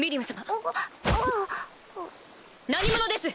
何者です？